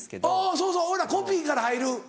そうそう俺らコピーから入る。